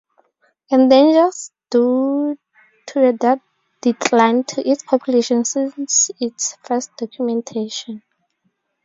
Endangered due to the decline to its population since its first documentation.